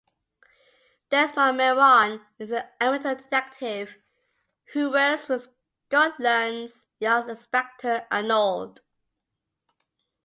Desmond Merrion is an amateur detective who works with Scotland Yard's Inspector Arnold.